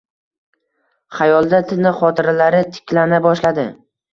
Xayolida tiniq xotiralari tiklana boshladi.